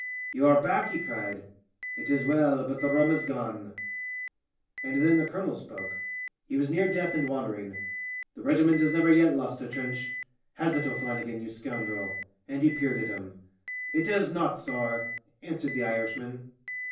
" You are back," he cried. " It is well, but the rum is gone." And then the colonel spoke. He was near death and wandering. " The regiment has never yet lost a trench. Has it, O'Flannigan, you scoundrel ?" And he peered at him. " It has not, sorr," answered the Irishman.